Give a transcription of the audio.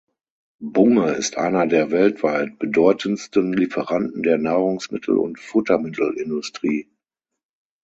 Bunge ist einer der weltweit bedeutendsten Lieferanten der Nahrungsmittel- und Futtermittelindustrie.